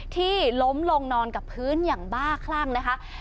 ที่ล้มลงนอนกับพื้นอย่างบ้าคลั่งนะคะ